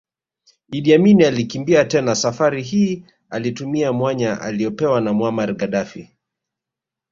Idi Amin alikimbia tena Safari hii alitumia mwanya aliopewa na Muammar Gaddafi